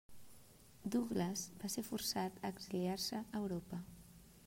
Douglas va ser forçat a exiliar-se a Europa.